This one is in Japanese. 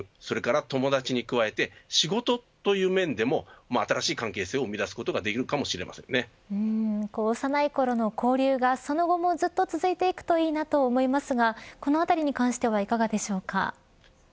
すると保育それから友達に加えて仕事という面でも新しい関係性を生み出すことが幼いころの交流が、その後もずっと続いていくといいなと思いますがこのあたりに関してはいかがでしょうか。